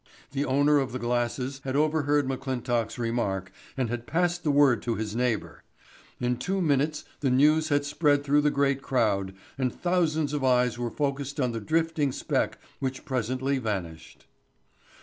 The owner of the glasses had overheard McClintock's remark and had passed the word to his neighbor. In two minutes the news had spread through the great crowd and thousands of eyes were focused on the drifting speck which presently vanished.